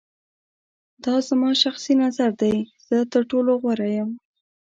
دا زما شخصی نظر دی. زه تر ټولو غوره یم.